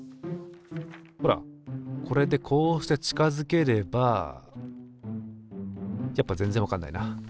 ほらこれでこうして近づければやっぱ全然わかんないな。